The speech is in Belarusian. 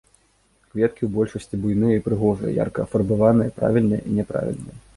Кветкі ў большасці буйныя і прыгожыя, ярка афарбаваныя, правільныя і няправільныя.